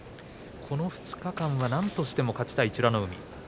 この２日間は何としても勝ちたい美ノ海。